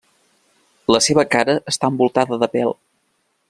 La seva cara està envoltada de pèl.